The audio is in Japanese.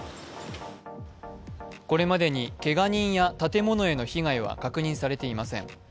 これまでにけが人や建物への被害は確認されていません。